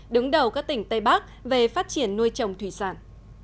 đứng đầu các tỉnh tây bắc về phát triển nuôi trồng thủy sản